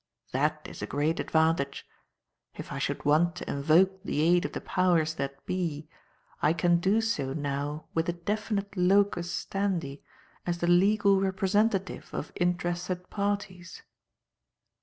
That is a great advantage. If I should want to invoke the aid of the powers that be, I can do so now with a definite locus standi as the legal representative of interested parties."